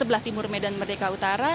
sebelah timur medan merdeka utara